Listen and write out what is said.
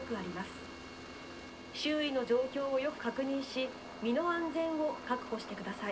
周囲の状況をよく確認し身の安全を確保してください」。